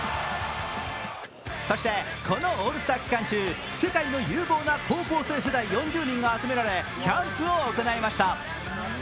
そして、このオールスター期間中、世界の有望な高校生世代４０人が集められキャンプを行いました。